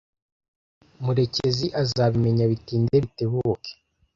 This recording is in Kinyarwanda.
Murekezi azabimenya bitinde bitebuke.